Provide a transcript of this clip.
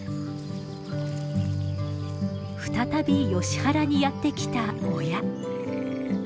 再びヨシ原にやって来た親。